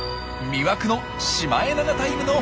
魅惑のシマエナガタイムの。